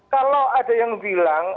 kalau ada yang bilang